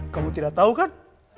kamu tidak tahu kan